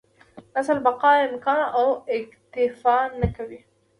نسل بقا امکان اکتفا نه کوي.